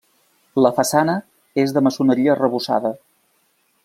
La façana és de maçoneria arrebossada.